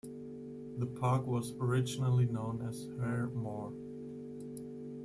The Park was originally known as Hare Moor.